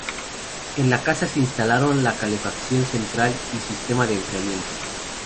En la casa se instalaron la calefacción central y sistema de enfriamiento.